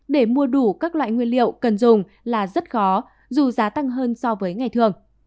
để mua đủ các loại nguyên liệu cần dùng là rất khó dù giá tăng hơn so với ngày thường